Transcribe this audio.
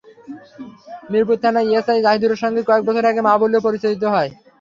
মিরপুর থানার এসআই জাহিদুরের সঙ্গে কয়েক বছর আগে মাহবুবুরের পরিচয় হয়।